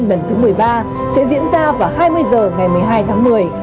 lần thứ một mươi ba sẽ diễn ra vào hai mươi h ngày một mươi hai tháng một mươi